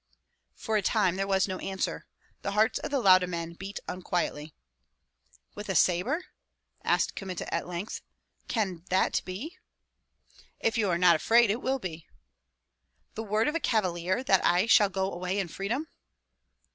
For a time there was no answer. The hearts of the Lauda men beat unquietly. "With a sabre?" asked Kmita, at length. "Can that be?" "If you are not afraid, it will be." "The word of a cavalier that I shall go away in freedom?"